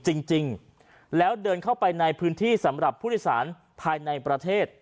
จริงแล้วเดินเข้าไปในพื้นที่สำหรับผู้โดยสารภายในประเทศ